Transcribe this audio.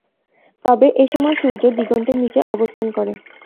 তবে এসময় সূর্য দিগন্তের নিচে অবস্থান করে।